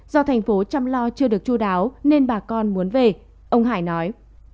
do thành phố chăm lo chưa được chú đáo nên bà con muốn về ông hải nói